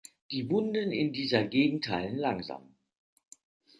Die Wunden in dieser Gegend heilen langsam.